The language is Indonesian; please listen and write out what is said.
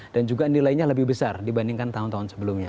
dan juga nilainya lebih besar dibandingkan tahun tahun sebelumnya